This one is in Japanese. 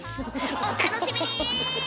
お楽しみに！